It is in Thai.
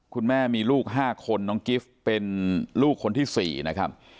คุณแม่มีลูก๕คนน้องกิฟต์เป็นลูกคนที่๔นะครับ